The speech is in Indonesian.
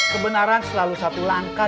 kebenaran selalu satu langkah